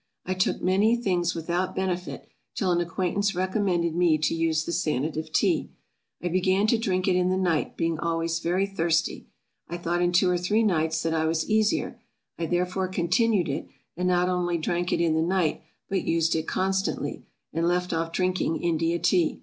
I took many things without benefit, till an acquaintance recommended me to use the Sanative Tea. I began to drink it in the night, being always very thirsty; I thought in two or three nights that I was easier; I therefore continued it, and not only drank it in the night, but used it constantly, and left off drinking India tea.